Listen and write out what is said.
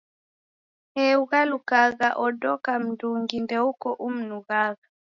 Ee ughalukagha, odoka mndungi ndeuko umnughagha.